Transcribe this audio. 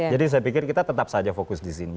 jadi saya pikir kita tetap saja fokus di sini